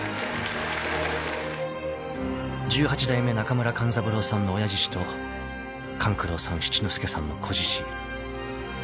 ［十八代目中村勘三郎さんの親獅子と勘九郎さん七之助さんの仔獅子］